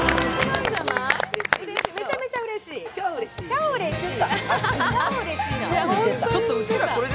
めちゃめちゃうれしい、超うれしい！